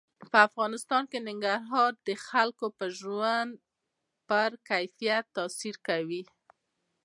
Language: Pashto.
په افغانستان کې ننګرهار د خلکو د ژوند په کیفیت تاثیر کوي.